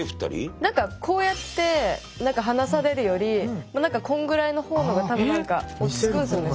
何かこうやって話されるよりこんぐらいの方のが多分何か落ち着くんすよね